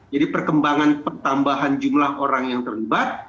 jadi perkembangan pertambahan jumlah orang yang terlibat